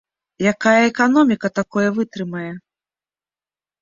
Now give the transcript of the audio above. Якая эканоміка такое вытрымае?!